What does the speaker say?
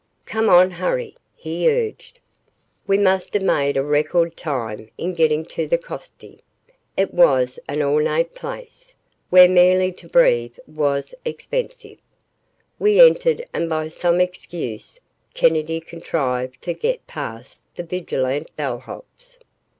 "Come on hurry!" he urged. We must have made record time in getting to the Coste. It was an ornate place, where merely to breathe was expensive. We entered and by some excuse Kennedy contrived to get past the vigilant bellhops.